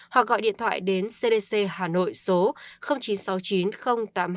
hoặc gọi điện thoại đến cdc hà nội số chín sáu chín không tám hai một một năm